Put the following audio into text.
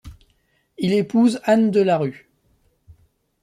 Il épouse Anne de la Rue.